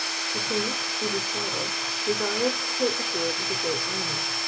The King, Hebe's father, desired to take the field with a great army.